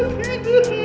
mas aku mau pergi